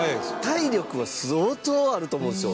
体力は相当あると思うんですよ。